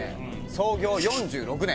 創業４６年。